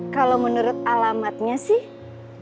kalau menurut alamatnya sih iya nak